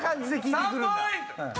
３ポイント。